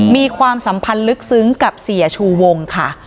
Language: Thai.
มีความสัมพันธ์ลึกซึ้งกับเสียชูวงค่ะ